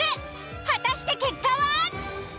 果たして結果は！？